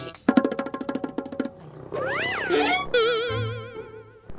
tidak ada yang kiki